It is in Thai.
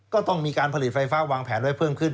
ก็ต้องมีการผลิตไฟฟ้าวางแผนไว้เพิ่มขึ้น